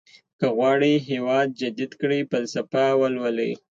که غواړئ هېواد جديد کړئ فلسفه ولولئ.